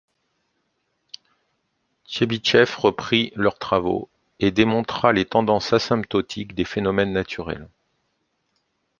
Tchebychev reprit leurs travaux, et démontra les tendances asymptotiques des phénomènes naturels.